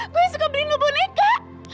gue yang suka beli lo boneka